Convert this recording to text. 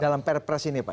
dalam perpres ini pak